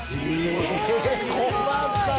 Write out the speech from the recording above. え細かい！